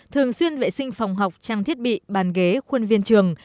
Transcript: thường xuyên vệ sinh phòng học trang thiết bị bàn ghế khuôn viên trường